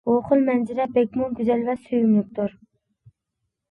بۇ خىل مەنزىرە بەكمۇ گۈزەل ۋە سۆيۈملۈكتۇر.